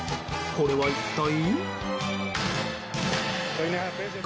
これは一体？